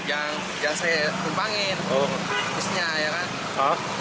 yang saya tumpangin busnya ya kan